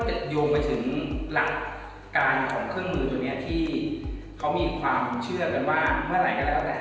เครื่องมือตรงนี้ที่เขามีความเชื่อว่าเมื่อไหร่ก็แล้วแหละ